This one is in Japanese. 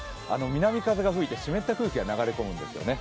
南風が吹いて湿った空気が流れ込むんですね。